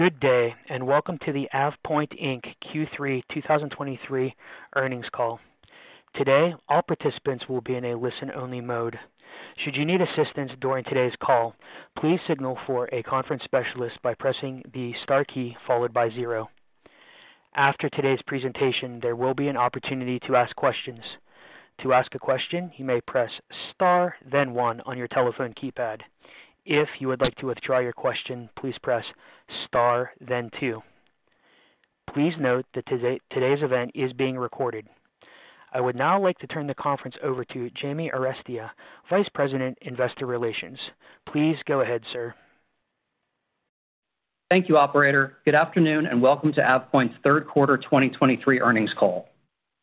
Good day, and welcome to the AvePoint Inc. Q3 2023 earnings call. Today, all participants will be in a listen-only mode. Should you need assistance during today's call, please signal for a conference specialist by pressing the star key followed by zero. After today's presentation, there will be an opportunity to ask questions. To ask a question, you may press star then one on your telephone keypad. If you would like to withdraw your question, please press star then two. Please note that today's event is being recorded. I would now like to turn the conference over to James Arestia, Vice President, Investor Relations. Please go ahead, sir. Thank you, operator. Good afternoon, and welcome to AvePoint's third quarter 2023 earnings call.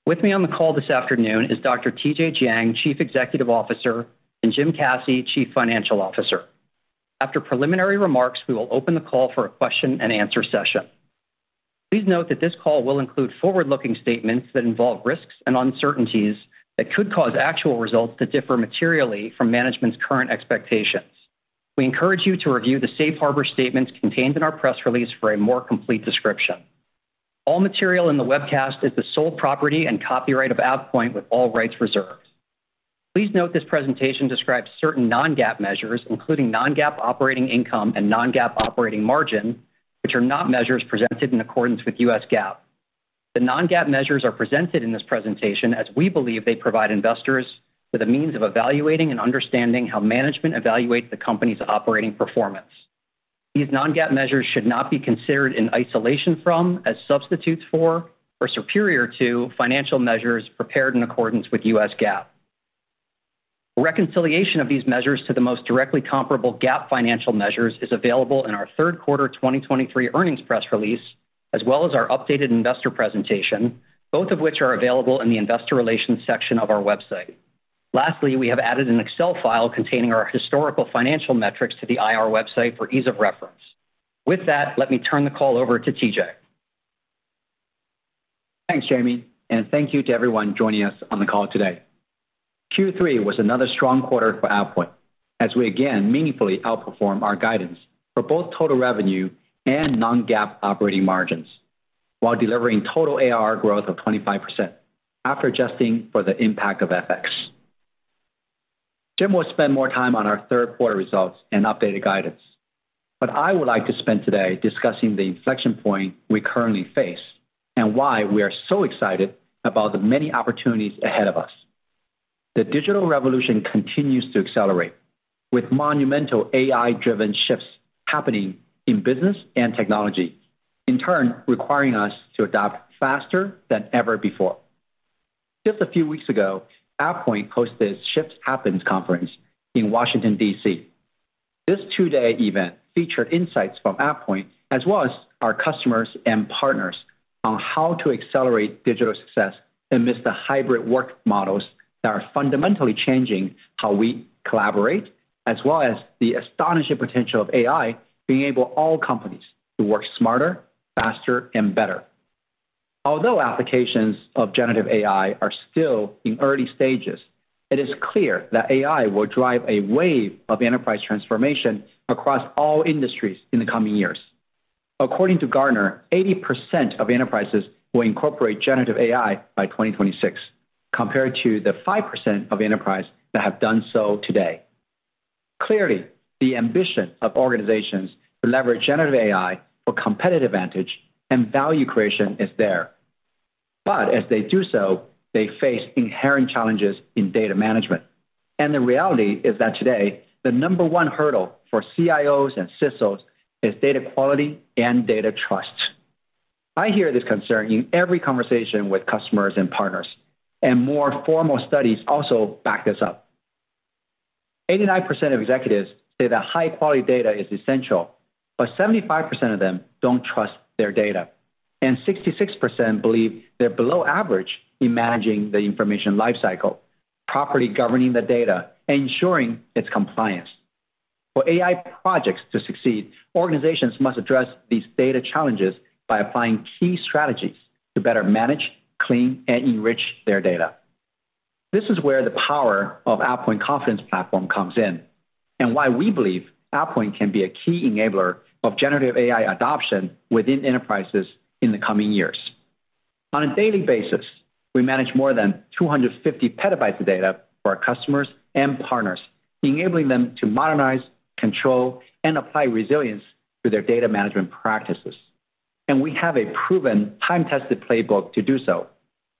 With me on the call this afternoon is Dr. TJ Jiang, Chief Executive Officer, and Jim Caci, Chief Financial Officer. After preliminary remarks, we will open the call for a question-and-answer session. Please note that this call will include forward-looking statements that involve risks and uncertainties that could cause actual results to differ materially from management's current expectations. We encourage you to review the safe harbor statements contained in our press release for a more complete description. All material in the webcast is the sole property and copyright of AvePoint, with all rights reserved. Please note this presentation describes certain non-GAAP measures, including non-GAAP operating income and non-GAAP operating margin, which are not measures presented in accordance with U.S. GAAP. The non-GAAP measures are presented in this presentation as we believe they provide investors with a means of evaluating and understanding how management evaluates the company's operating performance. These non-GAAP measures should not be considered in isolation from, as substitutes for, or superior to financial measures prepared in accordance with U.S. GAAP. A reconciliation of these measures to the most directly comparable GAAP financial measures is available in our third quarter 2023 earnings press release, as well as our updated investor presentation, both of which are available in the investor relations section of our website. Lastly, we have added an Excel file containing our historical financial metrics to the IR website for ease of reference. With that, let me turn the call over to TJ. Thanks, Jamie, and thank you to everyone joining us on the call today. Q3 was another strong quarter for AvePoint, as we again meaningfully outperformed our guidance for both total revenue and non-GAAP operating margins, while delivering total ARR growth of 25% after adjusting for the impact of FX. Jim will spend more time on our third quarter results and updated guidance, but I would like to spend today discussing the inflection point we currently face and why we are so excited about the many opportunities ahead of us. The digital revolution continues to accelerate, with monumental AI-driven shifts happening in business and technology, in turn requiring us to adapt faster than ever before. Just a few weeks ago, AvePoint hosted its Shift Happens conference in Washington, D.C. This two-day event featured insights from AvePoint as well as our customers and partners on how to accelerate digital success amidst the hybrid work models that are fundamentally changing how we collaborate, as well as the astonishing potential of AI, enabling all companies to work smarter, faster, and better. Although applications of generative AI are still in early stages, it is clear that AI will drive a wave of enterprise transformation across all industries in the coming years. According to Gartner, 80% of enterprises will incorporate generative AI by 2026, compared to the 5% of enterprise that have done so today. Clearly, the ambition of organizations to leverage generative AI for competitive advantage and value creation is there. But as they do so, they face inherent challenges in data management. The reality is that today, the number one hurdle for CIOs and CISOs is data quality and data trust. I hear this concern in every conversation with customers and partners, and more formal studies also back this up. 89% of executives say that high-quality data is essential, but 75% of them don't trust their data, and 66% believe they're below average in managing the information lifecycle, properly governing the data, and ensuring its compliance. For AI projects to succeed, organizations must address these data challenges by applying key strategies to better manage, clean, and enrich their data. This is where the power of AvePoint Confidence Platform comes in and why we believe AvePoint can be a key enabler of generative AI adoption within enterprises in the coming years. On a daily basis, we manage more than 250 PB of data for our customers and partners, enabling them to modernize, control, and apply resilience to their data management practices. We have a proven time-tested playbook to do so,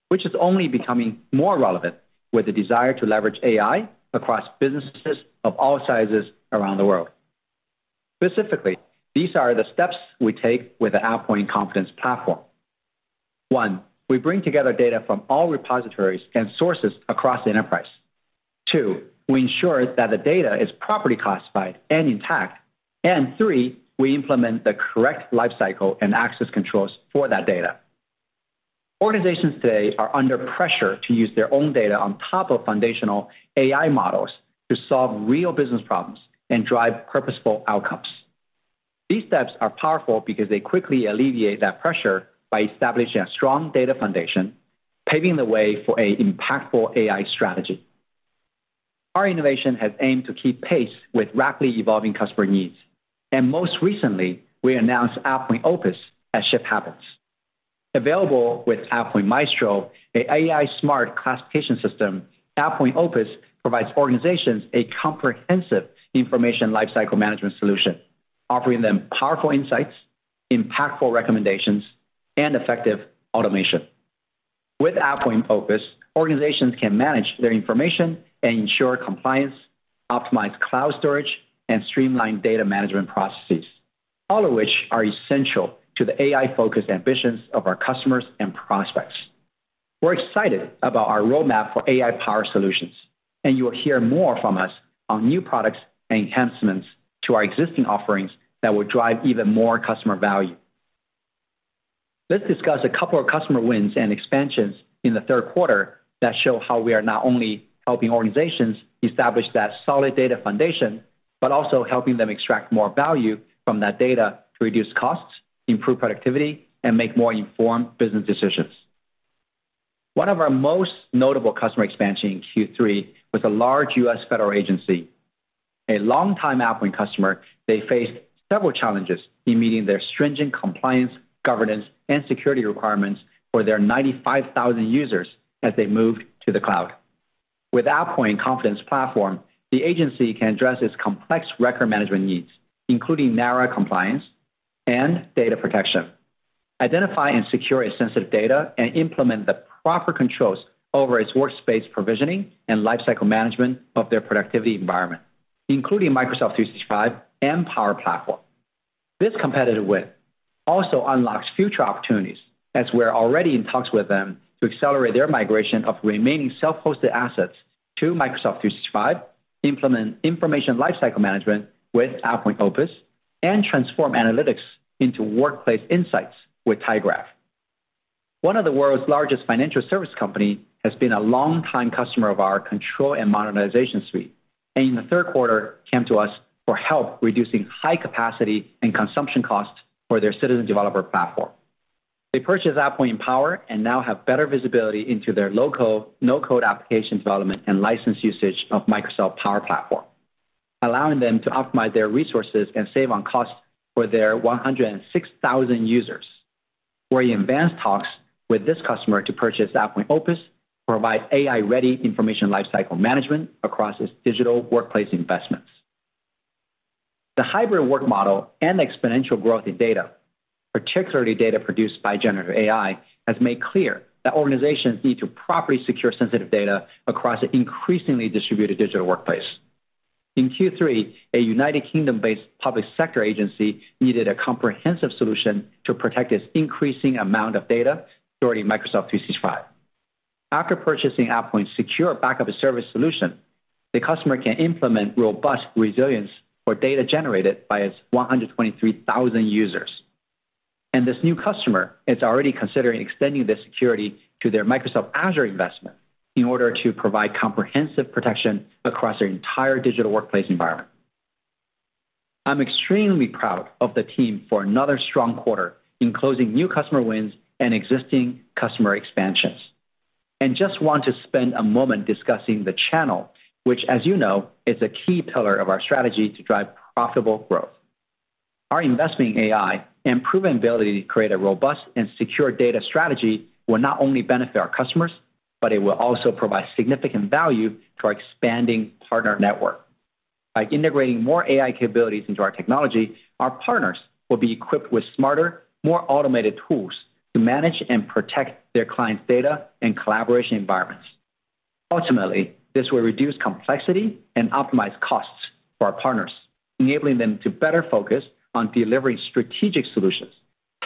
which is only becoming more relevant with the desire to leverage AI across businesses of all sizes around the world. Specifically, these are the steps we take with the AvePoint Confidence Platform. 1, we bring together data from all repositories and sources across the enterprise. 2, we ensure that the data is properly classified and intact. And 3, we implement the correct lifecycle and access controls for that data. Organizations today are under pressure to use their own data on top of foundational AI models to solve real business problems and drive purposeful outcomes. These steps are powerful because they quickly alleviate that pressure by establishing a strong data foundation, paving the way for an impactful AI strategy. Our innovation has aimed to keep pace with rapidly evolving customer needs, and most recently, we announced AvePoint Opus at Shift Happens. Available with AvePoint Maestro, an AI smart classification system, AvePoint Opus provides organizations a comprehensive information lifecycle management solution, offering them powerful insights, impactful recommendations, and effective automation. With AvePoint Opus, organizations can manage their information and ensure compliance, optimize cloud storage, and streamline data management processes, all of which are essential to the AI-focused ambitions of our customers and prospects. We're excited about our roadmap for AI-powered solutions, and you will hear more from us on new products and enhancements to our existing offerings that will drive even more customer value. Let's discuss a couple of customer wins and expansions in the third quarter that show how we are not only helping organizations establish that solid data foundation, but also helping them extract more value from that data to reduce costs, improve productivity, and make more informed business decisions. One of our most notable customer expansion in Q3 was a large U.S. federal agency. A longtime AvePoint customer, they faced several challenges in meeting their stringent compliance, governance, and security requirements for their 95,000 users as they moved to the cloud. With AvePoint Confidence Platform, the agency can address its complex record management needs, including NARA compliance and data protection, identify and secure its sensitive data, and implement the proper controls over its workspace provisioning and lifecycle management of their productivity environment, including Microsoft 365 and Power Platform. This competitive win also unlocks future opportunities, as we're already in talks with them to accelerate their migration of remaining self-hosted assets to Microsoft 365, implement information lifecycle management with AvePoint Opus, and transform analytics into workplace insights with tyGraph. One of the world's largest financial service company has been a longtime customer of our control and modernization suite, and in the third quarter, came to us for help reducing high capacity and consumption costs for their citizen developer platform. They purchased AvePoint EnPower and now have better visibility into their low-code/no-code application development and license usage of Microsoft Power Platform, allowing them to optimize their resources and save on costs for their 106,000 users. We're in advanced talks with this customer to purchase AvePoint Opus, provide AI-ready information lifecycle management across its digital workplace investments. The hybrid work model and the exponential growth in data, particularly data produced by generative AI, has made clear that organizations need to properly secure sensitive data across an increasingly distributed digital workplace. In Q3, a United Kingdom-based public sector agency needed a comprehensive solution to protect its increasing amount of data stored in Microsoft 365. After purchasing AvePoint's secure backup as a service solution, the customer can implement robust resilience for data generated by its 123,000 users. This new customer is already considering extending this security to their Microsoft Azure investment in order to provide comprehensive protection across their entire digital workplace environment. I'm extremely proud of the team for another strong quarter in closing new customer wins and existing customer expansions, and just want to spend a moment discussing the channel, which, as you know, is a key pillar of our strategy to drive profitable growth. Our investment in AI and proven ability to create a robust and secure data strategy will not only benefit our customers, but it will also provide significant value to our expanding partner network. By integrating more AI capabilities into our technology, our partners will be equipped with smarter, more automated tools to manage and protect their clients' data and collaboration environments. Ultimately, this will reduce complexity and optimize costs for our partners, enabling them to better focus on delivering strategic solutions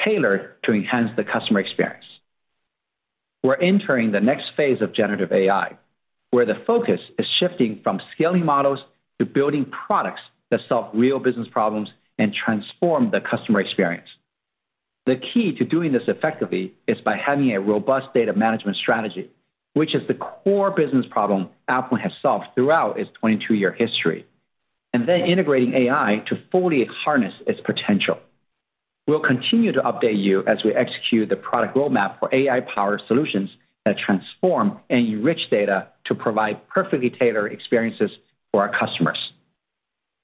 tailored to enhance the customer experience. We're entering the next phase of generative AI, where the focus is shifting from scaling models to building products that solve real business problems and transform the customer experience. The key to doing this effectively is by having a robust data management strategy, which is the core business problem AvePoint has solved throughout its 22-year history, and then integrating AI to fully harness its potential. We'll continue to update you as we execute the product roadmap for AI-powered solutions that transform and enrich data to provide perfectly tailored experiences for our customers.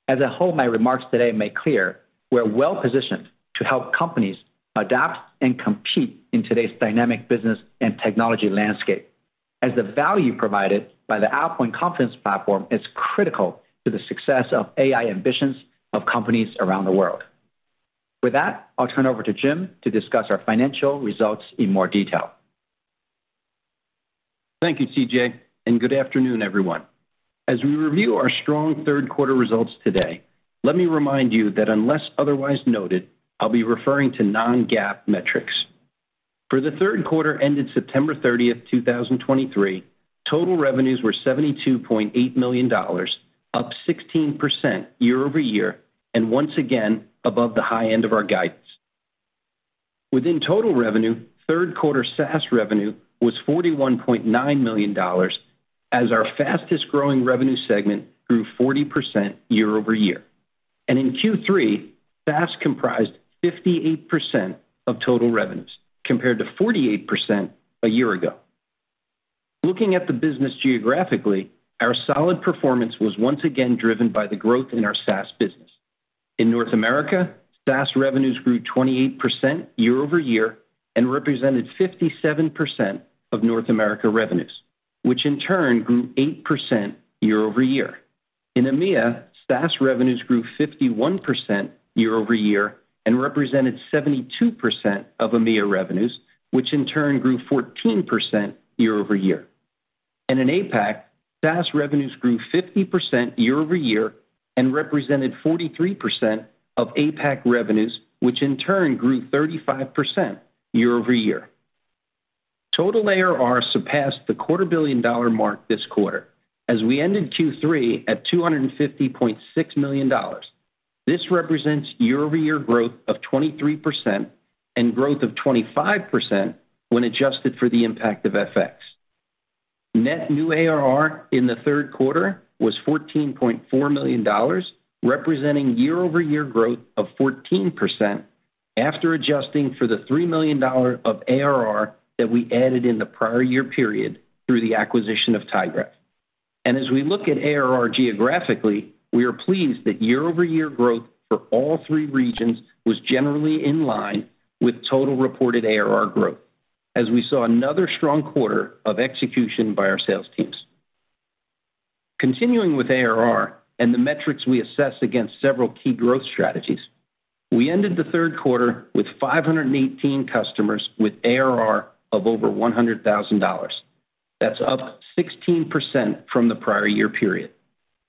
As I hope my remarks today make clear, we're well positioned to help companies adapt and compete in today's dynamic business and technology landscape, as the value provided by the AvePoint Confidence Platform is critical to the success of AI ambitions of companies around the world. With that, I'll turn it over to Jim to discuss our financial results in more detail. Thank you, TJ, and good afternoon, everyone. As we review our strong third quarter results today, let me remind you that unless otherwise noted, I'll be referring to non-GAAP metrics. For the third quarter ended September 30, 2023, total revenues were $72.8 million, up 16% year-over-year, and once again, above the high end of our guidance. Within total revenue, third quarter SaaS revenue was $41.9 million, as our fastest-growing revenue segment grew 40% year-over-year. In Q3, SaaS comprised 58% of total revenues, compared to 48% a year ago. Looking at the business geographically, our solid performance was once again driven by the growth in our SaaS business. In North America, SaaS revenues grew 28% year-over-year and represented 57% of North America revenues, which in turn grew 8% year-over-year. In EMEA, SaaS revenues grew 51% year-over-year and represented 72% of EMEA reveues, which in turn grew 14% year-over-year. And in APAC, SaaS revenues grew 50% year-over-year and represented 43% of APAC revenues, which in turn grew 35% year-over-year. Total ARR surpassed the $250 million mark this quarter, as we ended Q3 at $250.6 million. This represents year-over-year growth of 23% and growth of 25% when adjusted for the impact of FX. Net new ARR in the third quarter was $14.4 million, representing year-over-year growth of 14% after adjusting for the $3 million of ARR that we added in the prior year period through the acquisition of tyGraph. And as we look at ARR geographically, we are pleased that year-over-year growth for all three regions was generally in line with total reported ARR growth, as we saw another strong quarter of execution by our sales teams. Continuing with ARR and the metrics we assess against several key growth strategies, we ended the third quarter with 518 customers with ARR of over $100,000. That's up 16% from the prior year period.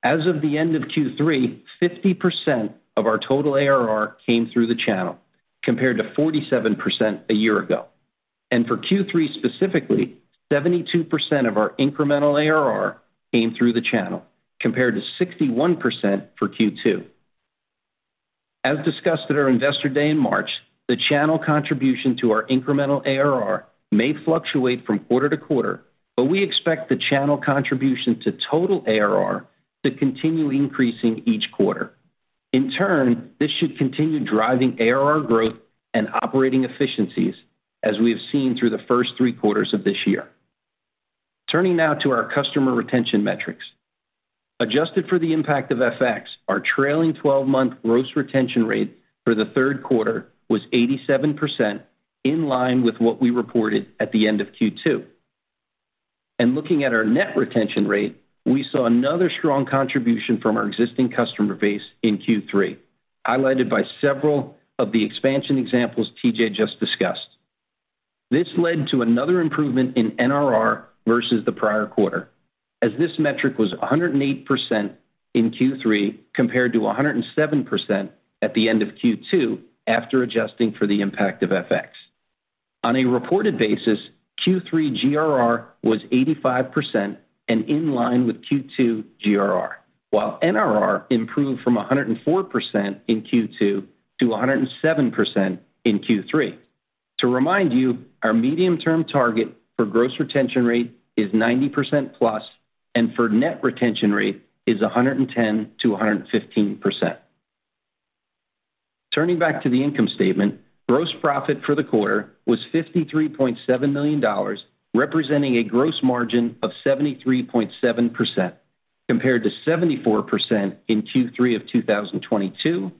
As of the end of Q3, 50% of our total ARR came through the channel, compared to 47% a year ago. For Q3 specifically, 72% of our incremental ARR came through the channel, compared to 61% for Q2. As discussed at our Investor Day in March, the channel contribution to our incremental ARR may fluctuate from quarter to quarter, but we expect the channel contribution to total ARR to continue increasing each quarter. In turn, this should continue driving ARR growth and operating efficiencies, as we have seen through the first three quarters of this year. Turning now to our customer retention metrics. Adjusted for the impact of FX, our trailing twelve-month gross retention rate for the third quarter was 87%, in line with what we reported at the end of Q2. Looking at our net retention rate, we saw another strong contribution from our existing customer base in Q3, highlighted by several of the expansion examples TJ just discussed. This led to another improvement in NRR versus the prior quarter, as this metric was 108% in Q3, compared to 107% at the end of Q2, after adjusting for the impact of FX. On a reported basis, Q3 GRR was 85% and in line with Q2 GRR, while NRR improved from 104% in Q2 to 107% in Q3. To remind you, our medium-term target for gross retention rate is 90%+, and for net retention rate is 110%-115%. Turning back to the income statement, gross profit for the quarter was $53.7 million, representing a gross margin of 73.7%, compared to 74% in Q3 of 2022,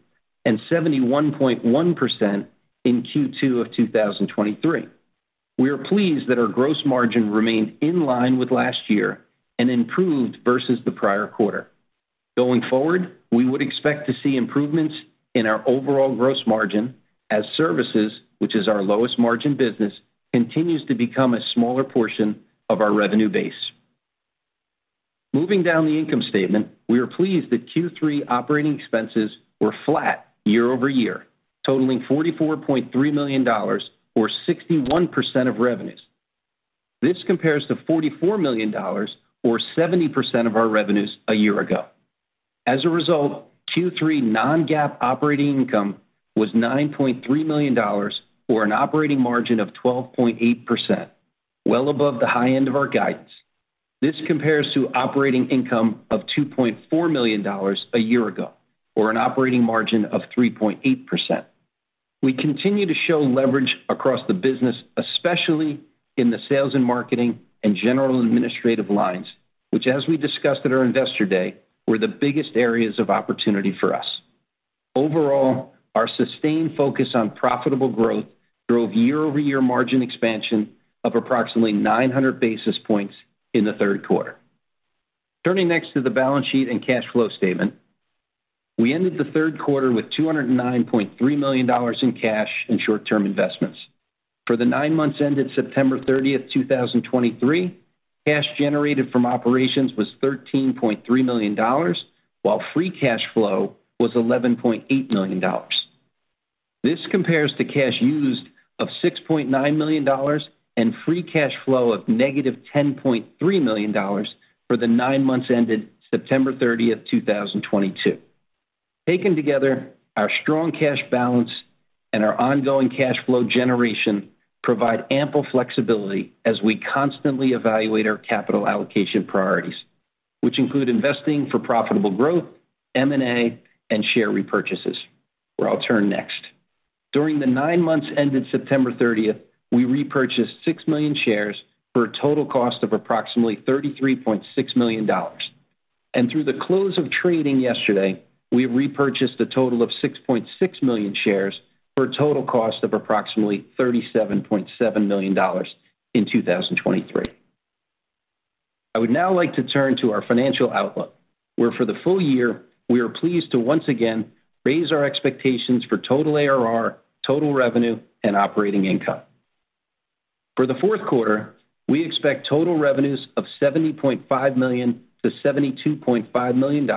and 71.1% in Q2 of 2023. We are pleased that our gross margin remained in line with last year and improved versus the prior quarter. Going forward, we would expect to see improvements in our overall gross margin as services, which is our lowest margin business, continues to become a smaller portion of our revenue base. Moving down the income statement, we are pleased that Q3 operating expenses were flat year over year, totaling $44.3 million or 61% of revenues. This compares to $44 million or 70% of our revenues a year ago. As a result, Q3 non-GAAP operating income was $9.3 million, or an operating margin of 12.8%, well above the high end of our guidance. This compares to operating income of $2.4 million a year ago, or an operating margin of 3.8%. We continue to show leverage across the business, especially in the sales and marketing and general administrative lines, which, as we discussed at our Investor Day, were the biggest areas of opportunity for us. Overall, our sustained focus on profitable growth drove year-over-year margin expansion of approximately 900 basis points in the third quarter. Turning next to the balance sheet and cash flow statement. We ended the third quarter with $209.3 million in cash and short-term investments. For the nine months ended September 30, 2023, cash generated from operations was $13.3 million, while free cash flow was $11.8 million. This compares to cash used of $6.9 million and free cash flow of -$10.3 million for the nine months ended September 30, 2022. Taken together, our strong cash balance and our ongoing cash flow generation provide ample flexibility as we constantly evaluate our capital allocation priorities, which include investing for profitable growth, M&A, and share repurchases, where I'll turn next. During the nine months ended September 30, we repurchased 6 million shares for a total cost of approximately $33.6 million. Through the close of trading yesterday, we repurchased a total of 6.6 million shares for a total cost of approximately $37.7 million in 2023. I would now like to turn to our financial outlook, where for the full year, we are pleased to once again raise our expectations for total ARR, total revenue, and operating income. For the fourth quarter, we expect total revenues of $70.5 million-$72.5 million, for a year-over-year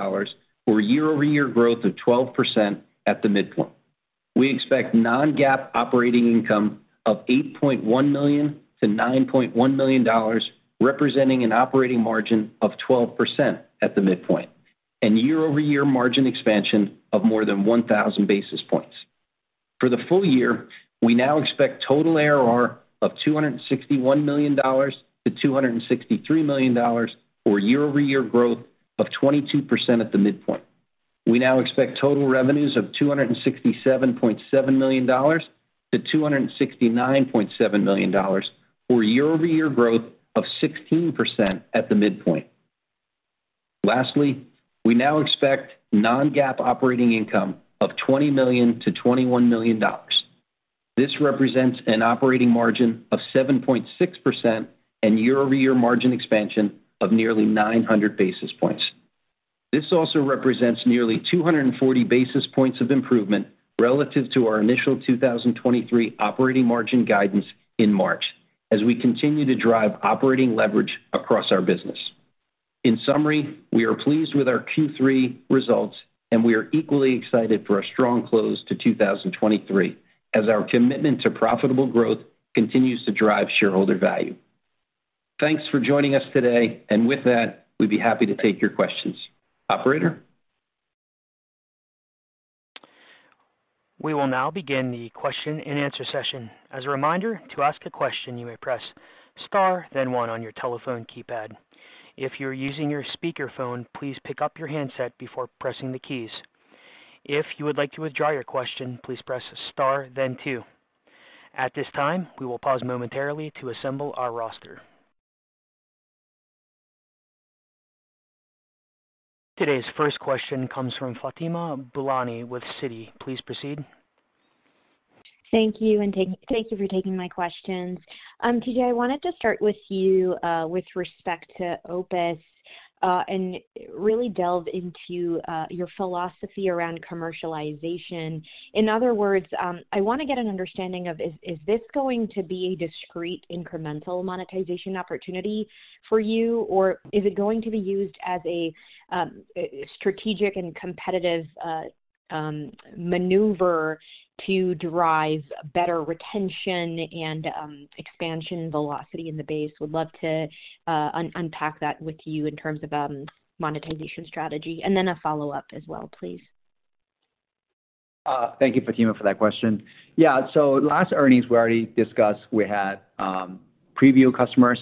growth of 12% at the midpoint. We expect non-GAAP operating income of $8.1 million-$9.1 million, representing an operating margin of 12% at the midpoint, and year-over-year margin expansion of more than 1,000 basis points. For the full year, we now expect total ARR of $261 million-$263 million, for year-over-year growth of 22% at the midpoint. We now expect total revenues of $267.7 million-$269.7 million, for year-over-year growth of 16% at the midpoint. Lastly, we now expect non-GAAP operating income of $20 million-$21 million. This represents an operating margin of 7.6% and year-over-year margin expansion of nearly 900 basis points. This also represents nearly 240 basis points of improvement relative to our initial 2023 operating margin guidance in March, as we continue to drive operating leverage across our business. In summary, we are pleased with our Q3 results, and we are equally excited for a strong close to 2023, as our commitment to profitable growth continues to drive shareholder value. Thanks for joining us today, and with that, we'd be happy to take your questions. Operator? We will now begin the question-and-answer session. As a reminder, to ask a question, you may press Star, then One on your telephone keypad. If you're using your speakerphone, please pick up your handset before pressing the keys. If you would like to withdraw your question, please press Star then Two. At this time, we will pause momentarily to assemble our roster. Today's first question comes from Fatima Boolani with Citi. Please proceed. Thank you, and thank you for taking my questions. TJ, I wanted to start with you, with respect to Opus, and really delve into, your philosophy around commercialization. In other words, I want to get an understanding of, is, is this going to be a discrete incremental monetization opportunity for you, or is it going to be used as a, strategic and competitive, maneuver to derive better retention and, expansion velocity in the base? Would love to, unpack that with you in terms of, monetization strategy. And then a follow-up as well, please. Thank you, Fatima, for that question. Yeah, so last earnings, we already discussed, we had, preview customers,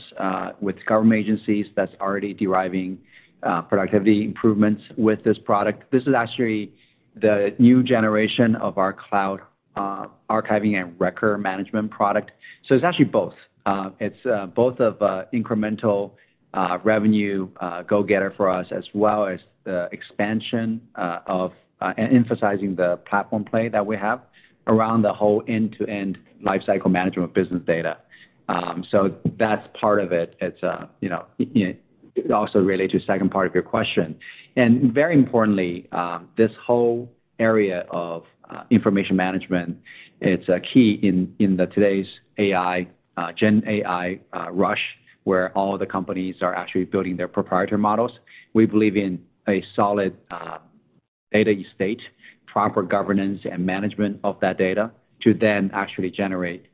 with government agencies that's already deriving, productivity improvements with this product. This is actually the new generation of our cloud, archiving and record management product. So it's actually both. It's, both of, incremental, revenue, go-getter for us, as well as the expansion, of, and emphasizing the platform play that we have around the whole end-to-end life cycle management of business data. So that's part of it. It's, you know, it also relates to the second part of your question. And very importantly, this whole area of, information management, it's a key in, in the today's AI, GenAI, rush, where all the companies are actually building their proprietary models. We believe in a solid, data estate, proper governance and management of that data, to then actually generate,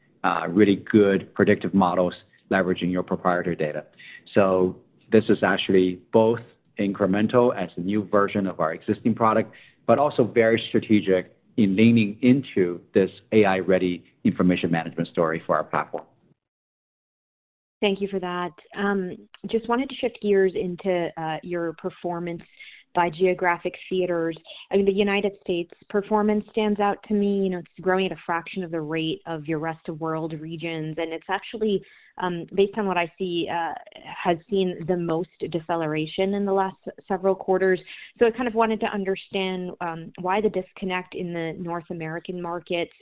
really good predictive models leveraging your proprietary data. So this is actually both incremental as a new version of our existing product, but also very strategic in leaning into this AI-ready information management story for our platform. Thank you for that. Just wanted to shift gears into your performance by geographic theaters. I mean, the United States' performance stands out to me. You know, it's growing at a fraction of the rate of your rest of world regions, and it's actually, based on what I see, has seen the most deceleration in the last several quarters. So I kind of wanted to understand why the disconnect in the North American markets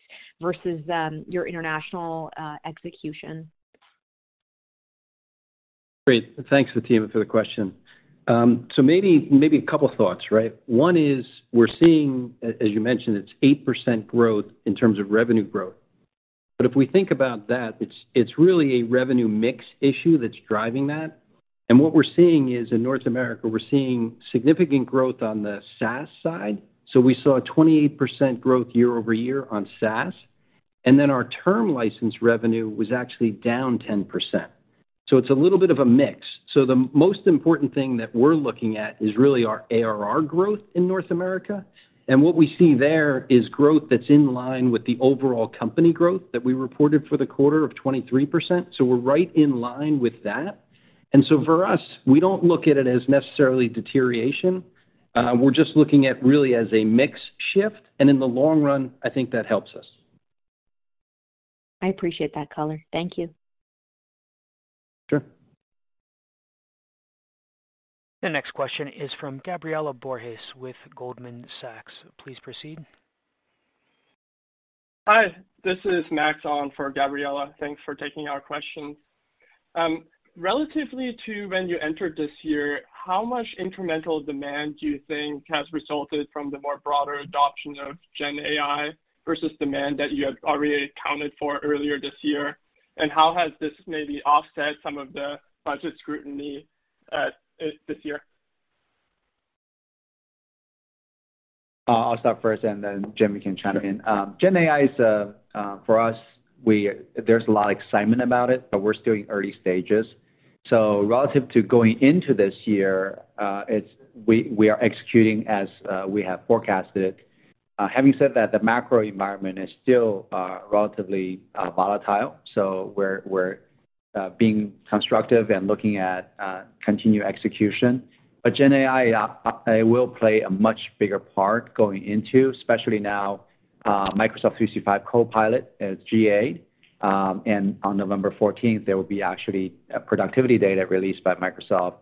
versus your international execution. Great. Thanks, Fatima, for the question. So maybe, maybe a couple of thoughts, right? One is, we're seeing, as you mentioned, it's 8% growth in terms of revenue growth. But if we think about that, it's, it's really a revenue mix issue that's driving that. And what we're seeing is, in North America, we're seeing significant growth on the SaaS side. So we saw a 28% growth year-over-year on SaaS, and then our term license revenue was actually down 10%. So it's a little bit of a mix. So the most important thing that we're looking at is really our ARR growth in North America. And what we see there is growth that's in line with the overall company growth that we reported for the quarter of 23%. So we're right in line with that. And so for us, we don't look at it as necessarily deterioration. We're just looking at really as a mix shift, and in the long run, I think that helps us. I appreciate that color. Thank you. Sure. The next question is from Gabriela Borges, with Goldman Sachs. Please proceed. Hi, this is Max on for Gabriela. Thanks for taking our question. Relatively to when you entered this year, how much incremental demand do you think has resulted from the more broader adoption of GenAI versus demand that you had already accounted for earlier this year? And how has this maybe offset some of the budget scrutiny this year? I'll start first, and then Jimmy can chime in. GenAI is for us, there's a lot of excitement about it, but we're still in early stages. So relative to going into this year, we are executing as we have forecasted. Having said that, the macro environment is still relatively volatile, so we're being constructive and looking at continued execution. But GenAI, it will play a much bigger part going into, especially now, Microsoft 365 Copilot as GA. And on November fourteenth, there will be actually a productivity data released by Microsoft,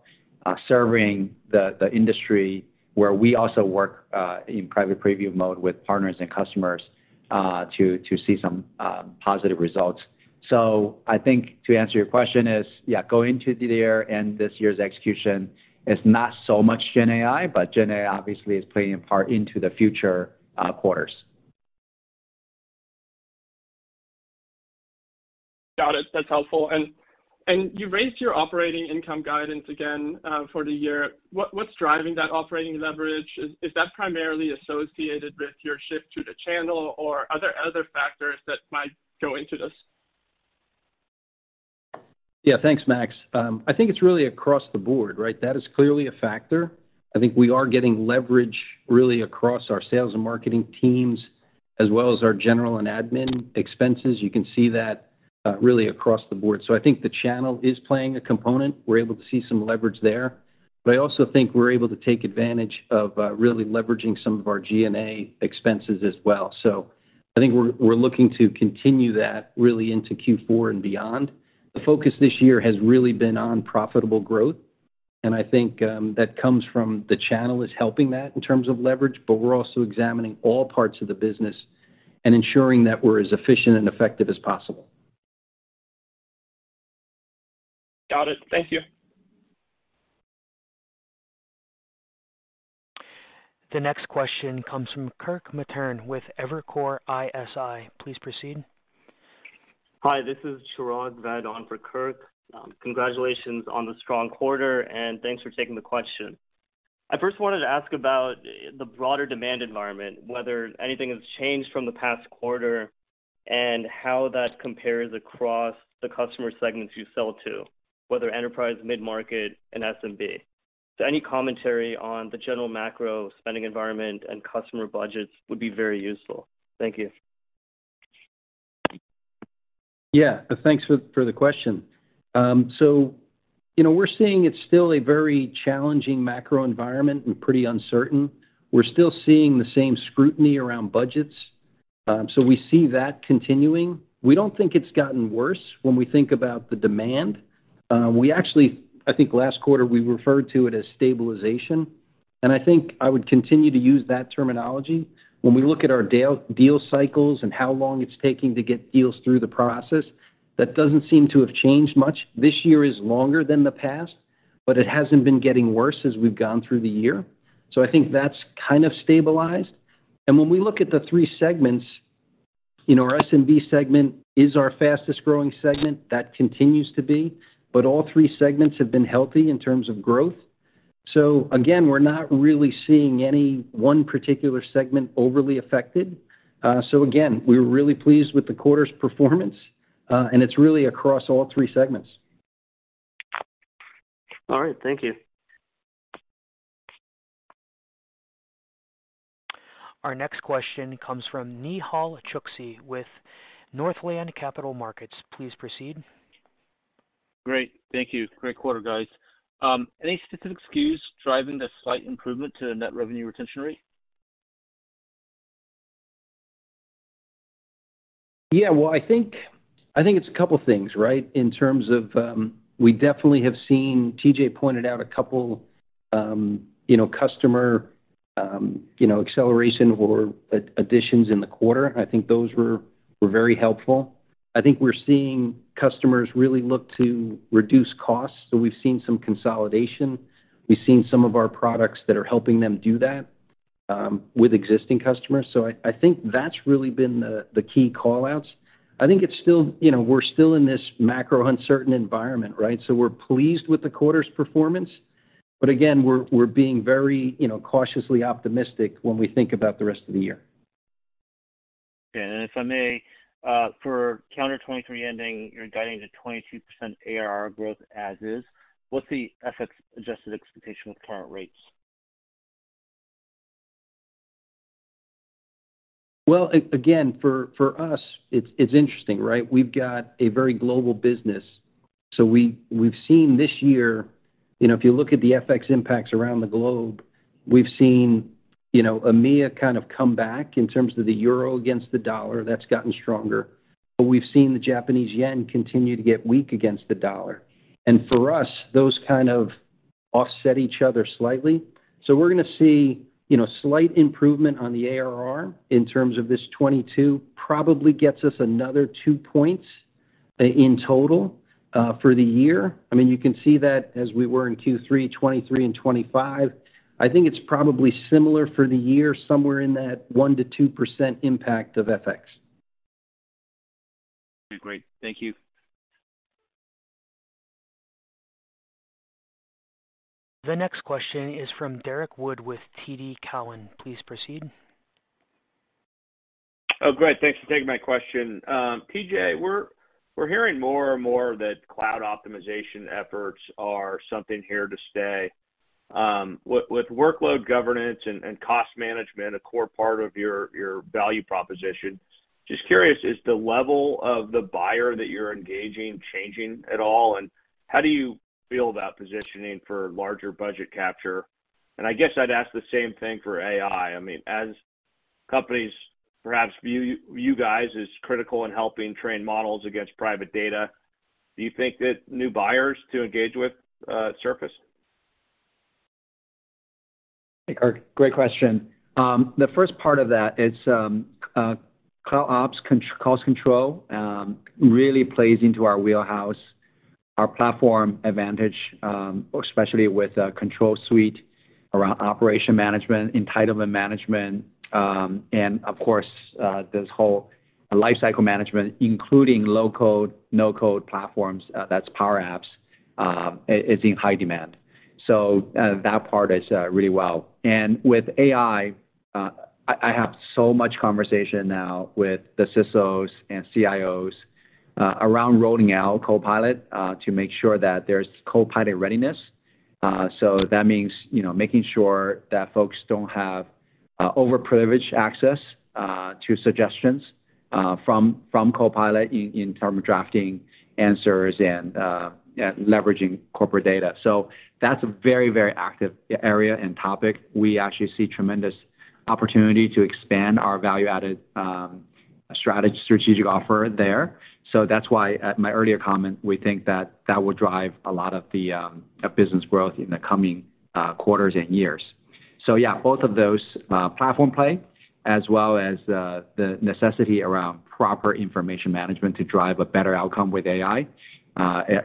serving the industry, where we also work in private preview mode with partners and customers to see some positive results. I think to answer your question is, yeah, going into the year and this year's execution is not so much GenAI, but GenAI obviously is playing a part into the future quarters. Got it. That's helpful. And you raised your operating income guidance again, for the year. What's driving that operating leverage? Is that primarily associated with your shift to the channel, or are there other factors that might go into this? Yeah, thanks, Max. I think it's really across the board, right? That is clearly a factor. I think we are getting leverage really across our sales and marketing teams, as well as our general and admin expenses. You can see that really across the board. So I think the channel is playing a component. We're able to see some leverage there. But I also think we're able to take advantage of really leveraging some of our G&A expenses as well. So I think we're looking to continue that really into Q4 and beyond. The focus this year has really been on profitable growth, and I think that comes from the channel is helping that in terms of leverage, but we're also examining all parts of the business and ensuring that we're as efficient and effective as possible. Got it. Thank you. The next question comes from Kirk Materne with Evercore ISI. Please proceed. Hi, this is Chirag Ved on for Kirk. Congratulations on the strong quarter, and thanks for taking the question. I first wanted to ask about the broader demand environment, whether anything has changed from the past quarter, and how that compares across the customer segments you sell to, whether enterprise, mid-market, and SMB. So any commentary on the general macro spending environment and customer budgets would be very useful. Thank you. Yeah, thanks for the question. So you know, we're seeing it's still a very challenging macro environment and pretty uncertain. We're still seeing the same scrutiny around budgets, so we see that continuing. We don't think it's gotten worse when we think about the demand. We actually, I think last quarter, we referred to it as stabilization, and I think I would continue to use that terminology. When we look at our deal cycles and how long it's taking to get deals through the process, that doesn't seem to have changed much. This year is longer than the past, but it hasn't been getting worse as we've gone through the year. So I think that's kind of stabilized. And when we look at the three segments, you know, our SMB segment is our fastest-growing segment. That continues to be, but all three segments have been healthy in terms of growth. So again, we're not really seeing any one particular segment overly affected. So again, we're really pleased with the quarter's performance, and it's really across all three segments. All right. Thank you. Our next question comes from Nehal Chokshi with Northland Capital Markets. Please proceed. Great. Thank you. Great quarter, guys. Any specific skews driving the slight improvement to the net revenue retention rate? Yeah, well, I think, I think it's a couple things, right? In terms of, we definitely have seen... TJ pointed out a couple, you know, customer, you know, acceleration or additions in the quarter. I think those were, were very helpful. I think we're seeing customers really look to reduce costs, so we've seen some consolidation. We've seen some of our products that are helping them do that, with existing customers. So I, I think that's really been the, the key call-outs. I think it's still, you know, we're still in this macro uncertain environment, right? So we're pleased with the quarter's performance, but again, we're, we're being very, you know, cautiously optimistic when we think about the rest of the year.... Okay, and if I may, for Q4 2023 ending, you're guiding to 22% ARR growth as is. What's the FX adjusted expectation with current rates? Well, again, for us, it's interesting, right? We've got a very global business, so we've seen this year, you know, if you look at the FX impacts around the globe, we've seen, you know, EMEA kind of come back in terms of the euro against the dollar, that's gotten stronger. But we've seen the Japanese yen continue to get weak against the dollar. And for us, those kind of offset each other slightly. So we're gonna see, you know, slight improvement on the ARR in terms of this 2022, probably gets us another 2 points, in total, for the year. I mean, you can see that as we were in Q3 2023 and 2025. I think it's probably similar for the year, somewhere in that 1%-2% impact of FX. Okay, great. Thank you. The next question is from Derek Wood with TD Cowen. Please proceed. Oh, great. Thanks for taking my question. TJ, we're, we're hearing more and more that cloud optimization efforts are something here to stay. With, with workload governance and, and cost management, a core part of your, your value proposition, just curious, is the level of the buyer that you're engaging, changing at all? And how do you feel about positioning for larger budget capture? And I guess I'd ask the same thing for AI. I mean, as companies perhaps view you, you guys as critical in helping train models against private data, do you think that new buyers to engage with surface? Great question. The first part of that is cloud ops cost control, really plays into our wheelhouse, our platform advantage, especially with a control suite around operation management, entitlement management, and of course, this whole lifecycle management, including low-code, no-code platforms, that's Power Apps, is in high demand. So, that part is really well. And with AI, I have so much conversation now with the CISOs and CIOs around rolling out Copilot to make sure that there's Copilot readiness. So that means, you know, making sure that folks don't have overprivileged access to suggestions from Copilot in term of drafting answers and leveraging corporate data. So that's a very, very active area and topic. We actually see tremendous opportunity to expand our value-added, strategy, strategic offer there. So that's why, at my earlier comment, we think that that will drive a lot of the, business growth in the coming, quarters and years. So yeah, both of those, platform play, as well as, the necessity around proper information management to drive a better outcome with AI,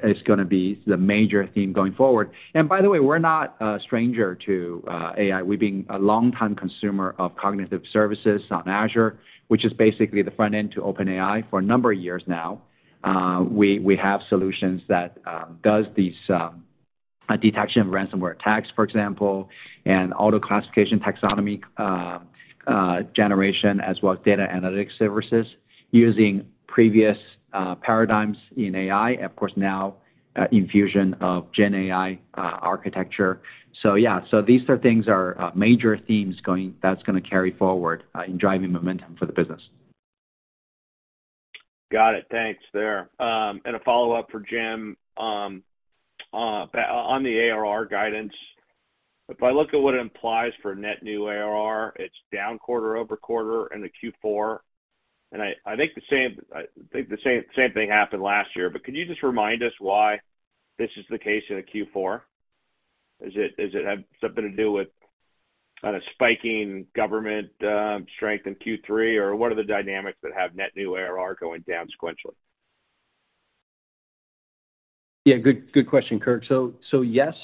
is gonna be the major theme going forward. And by the way, we're not a stranger to, AI. We've been a long time consumer of cognitive services on Azure, which is basically the front end to OpenAI, for a number of years now. We, we have solutions that does these detection of ransomware attacks, for example, and auto-classification taxonomy generation, as well as data analytics services using previous paradigms in AI, of course, now infusion of GenAI architecture. So yeah, so these are things are major themes going—that's gonna carry forward in driving momentum for the business. Got it. Thanks there. And a follow-up for Jim. On, on the ARR guidance, if I look at what it implies for net new ARR, it's down quarter-over-quarter into Q4. And I think the same thing happened last year. But could you just remind us why this is the case in Q4? Is it, does it have something to do with kind of spiking government strength in Q3, or what are the dynamics that have net new ARR going down sequentially? Yeah, good, good question, Kirk. So, so yes,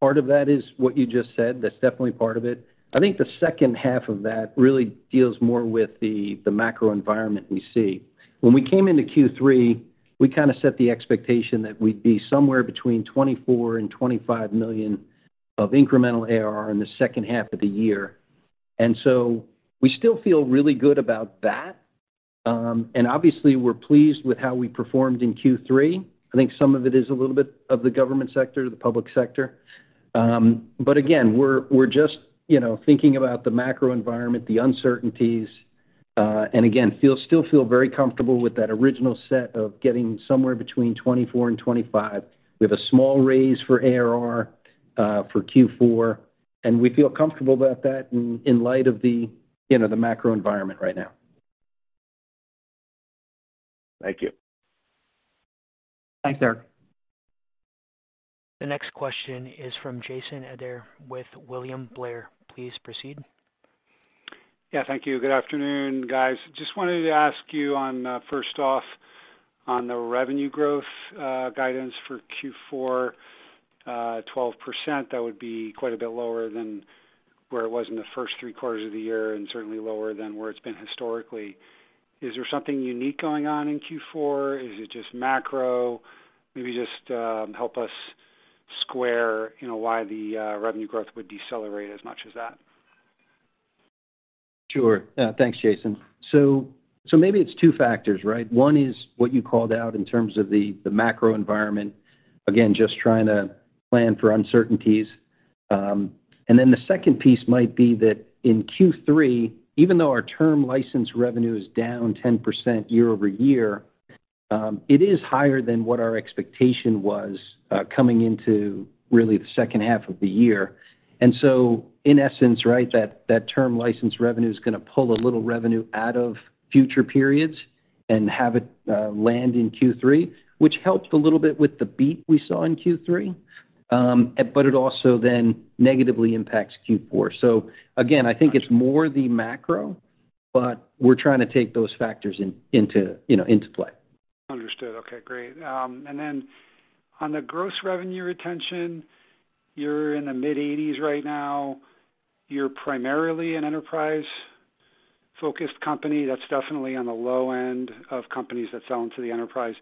part of that is what you just said. That's definitely part of it. I think the second half of that really deals more with the, the macro environment we see. When we came into Q3, we kinda set the expectation that we'd be somewhere between $24 million and $25 million of incremental ARR in the second half of the year. And so we still feel really good about that. And obviously, we're pleased with how we performed in Q3. I think some of it is a little bit of the government sector, the public sector. But again, we're, we're just, you know, thinking about the macro environment, the uncertainties, and again, feel, still feel very comfortable with that original set of getting somewhere between 24 and 25. We have a small raise for ARR for Q4, and we feel comfortable about that in light of the, you know, the macro environment right now. Thank you. Thanks, Kirk. The next question is from Jason Ader with William Blair. Please proceed. Yeah, thank you. Good afternoon, guys. Just wanted to ask you on, first off, on the revenue growth, guidance for Q4, 12%, that would be quite a bit lower than where it was in the first three quarters of the year, and certainly lower than where it's been historically. Is there something unique going on in Q4? Is it just macro? Maybe just, help us-... square, you know, why the, revenue growth would decelerate as much as that? Sure. Thanks, Jason. So maybe it's two factors, right? One is what you called out in terms of the macro environment. Again, just trying to plan for uncertainties. And then the second piece might be that in Q3, even though our term license revenue is down 10% year-over-year, it is higher than what our expectation was, coming into really the second half of the year. And so in essence, right, that term license revenue is gonna pull a little revenue out of future periods and have it land in Q3, which helped a little bit with the beat we saw in Q3. But it also then negatively impacts Q4. So again, I think it's more the macro, but we're trying to take those factors in, into, you know, into play. Understood. Okay, great. And then on the gross revenue retention, you're in the mid-80s right now. You're primarily an enterprise-focused company. That's definitely on the low end of companies that sell into the enterprise.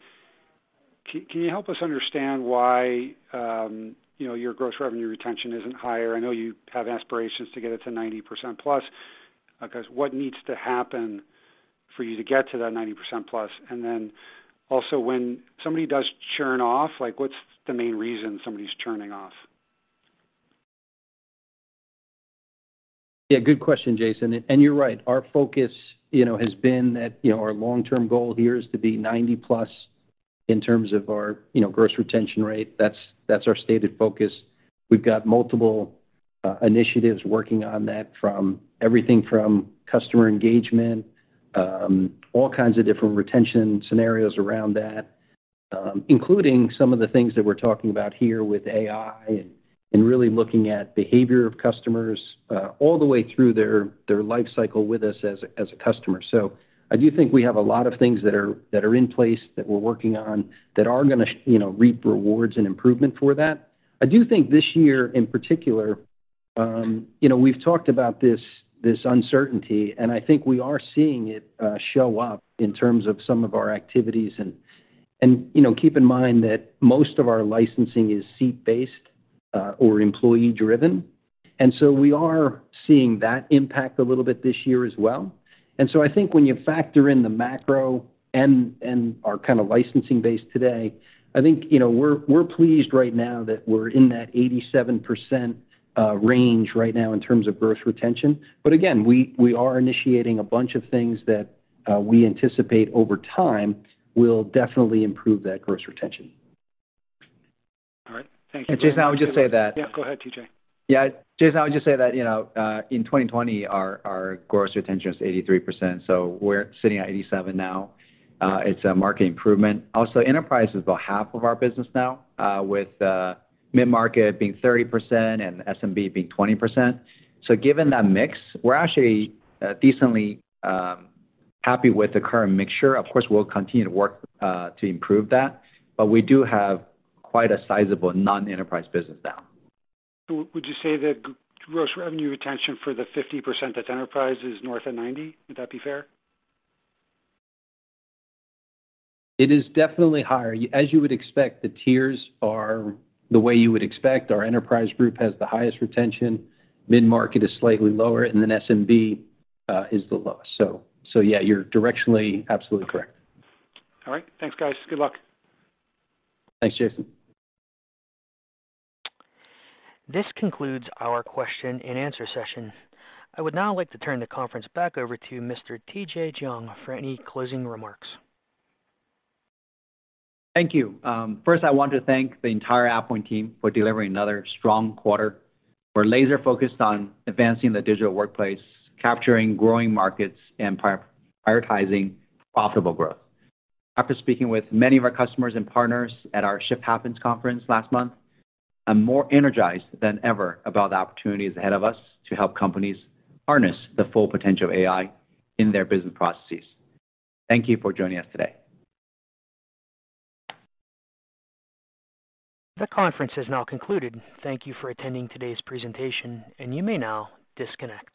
Can you help us understand why, you know, your gross revenue retention isn't higher? I know you have aspirations to get it to 90% plus. I guess, what needs to happen for you to get to that 90% plus? And then also, when somebody does churn off, like, what's the main reason somebody's churning off? Yeah, good question, Jason. And you're right. Our focus, you know, has been that, you know, our long-term goal here is to be 90%+ in terms of our, you know, gross retention rate. That's our stated focus. We've got multiple initiatives working on that, from everything from customer engagement, all kinds of different retention scenarios around that, including some of the things that we're talking about here with AI and really looking at behavior of customers all the way through their life cycle with us as a customer. So I do think we have a lot of things that are in place, that we're working on, that are gonna, you know, reap rewards and improvement for that. I do think this year, in particular, you know, we've talked about this, this uncertainty, and I think we are seeing it show up in terms of some of our activities. And, you know, keep in mind that most of our licensing is seat-based or employee-driven, and so we are seeing that impact a little bit this year as well. And so I think when you factor in the macro and our kinda licensing base today, I think, you know, we're, we're pleased right now that we're in that 87% range right now in terms of gross retention. But again, we, we are initiating a bunch of things that we anticipate over time will definitely improve that gross retention. All right. Thank you. Jason, I would just say that- Yeah, go ahead, TJ. Yeah, Jason, I would just say that, you know, in 2020, our gross retention was 83%, so we're sitting at 87% now. It's a marked improvement. Also, enterprise is about half of our business now, with mid-market being 30% and SMB being 20%. So given that mix, we're actually decently happy with the current mixture. Of course, we'll continue to work to improve that, but we do have quite a sizable non-enterprise business now. So would you say that gross revenue retention for the 50% that's enterprise is north of 90? Would that be fair? It is definitely higher. As you would expect, the tiers are the way you would expect. Our enterprise group has the highest retention, mid-market is slightly lower, and then SMB is the lowest. So, so yeah, you're directionally absolutely correct. All right. Thanks, guys. Good luck. Thanks, Jason. This concludes our question and answer session. I would now like to turn the conference back over to Mr. TJ Jiang for any closing remarks. Thank you. First, I want to thank the entire AvePoint team for delivering another strong quarter. We're laser focused on advancing the digital workplace, capturing growing markets, and prioritizing profitable growth. After speaking with many of our customers and partners at our Shift Happens conference last month, I'm more energized than ever about the opportunities ahead of us to help companies harness the full potential of AI in their business processes. Thank you for joining us today. The conference has now concluded. Thank you for attending today's presentation, and you may now disconnect.